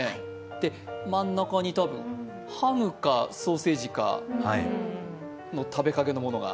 で、真ん中に多分、ハムかソーセージかの食べかけのものが。